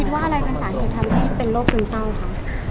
ว่าอะไรเป็นสาเหตุทำให้เป็นโรคซึมเศร้าคะ